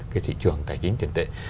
cái thị trường tài chính tiền tệ